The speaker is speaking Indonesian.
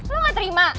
lo gak terima